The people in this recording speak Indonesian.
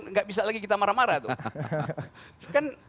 tidak bisa lagi kita marah marah